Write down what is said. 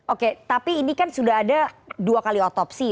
oke tapi ini kan sudah ada dua kali otopsi